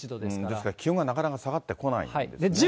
ですから、気温がなかなか下がってこないんですねー。